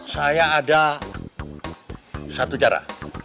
saya ada satu cara